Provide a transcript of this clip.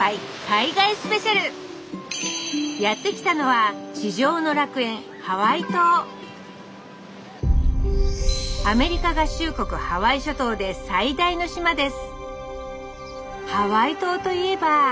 やって来たのはアメリカ合衆国ハワイ諸島で最大の島です。